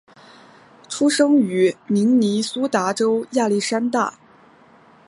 出生于明尼苏达州亚历山大。